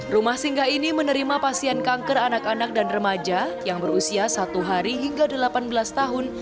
rumah singgah ini menerima pasien kanker anak anak dan remaja yang berusia satu hari hingga delapan belas tahun